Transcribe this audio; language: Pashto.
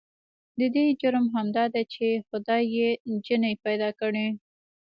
د دې جرم همدا دی چې خدای يې نجلې پيدا کړې.